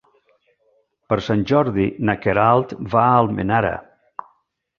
Per Sant Jordi na Queralt va a Almenara.